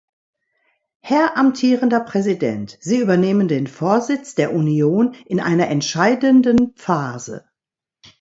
Herr amtierender Präsident, Sie übernehmen den Vorsitz der Union in einer entscheidenden Phase.